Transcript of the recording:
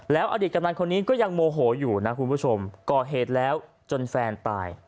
แล้วอดีตกำนันคนนี้ก็ยังโมโหอยู่นะคุณผู้ชมก่อเหตุแล้วจนแฟนตาย